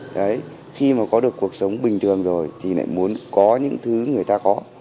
đấy khi mà có được cuộc sống bình thường rồi thì lại muốn có những thứ người ta có